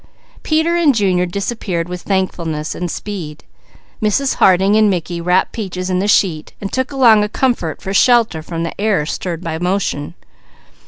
Peter and Junior disappeared with thankfulness and speed. Mrs. Harding and Mickey wrapped Peaches in the sheet and took along a comfort for shelter from the air stirred by motion.